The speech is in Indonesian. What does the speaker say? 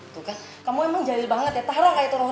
tuh kan kamu emang jahil banget ya taro kayak itu loh lihat